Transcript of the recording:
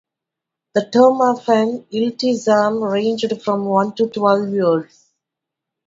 The term of an "Iltizam" ranged from one to twelve years.